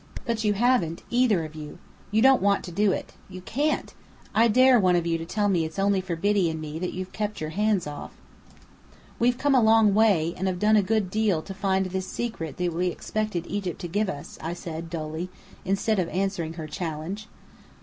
But you haven't either of you. You don't want to do it. You can't! I dare one of you to tell me it's only for Biddy and me that you've kept your hands off." "We've come a long way, and have done a good deal to find this secret that we expected Egypt to give us," I said, dully, instead of answering her challenge.